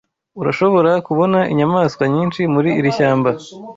Urashobora kubona inyamaswa nyinshi muri iri shyamba.